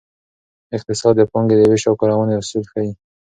اقتصاد د پانګې د ویش او کارونې اصول ښيي.